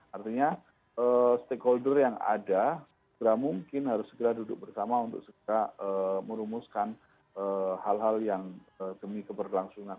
artinya stakeholder yang ada segera mungkin harus segera duduk bersama untuk segera merumuskan hal hal yang demi keberlangsungan